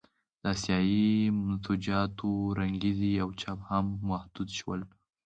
د اسیايي منسوجاتو رنګرېزي او چاپ هم محدود شول.